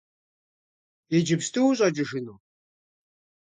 Иджыпсту ущӏэкӏыжыну?